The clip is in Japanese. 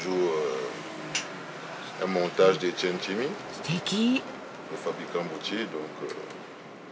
すてき。